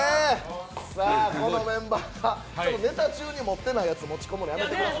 このメンバー、ちょっとネタ中に持ってないやつ持ち込むの、やめてください。